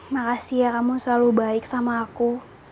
makasih ya kamu selalu baik sama aku